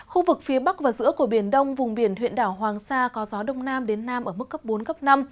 khu vực phía bắc và giữa của biển đông vùng biển huyện đảo hoàng sa có gió đông nam đến nam ở mức cấp bốn cấp năm